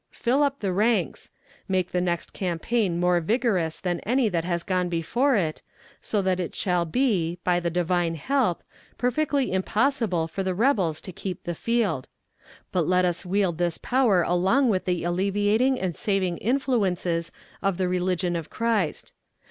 Fill up the ranks. Make the next campaign more vigorous than any that has gone before it, so that it shall be, by the Divine help, perfectly impossible for the rebels to keep the field. But let us wield this power along with the alleviating and saving influences of the religion of Christ.